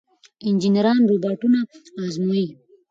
انجنیران روباټونه ازمويي.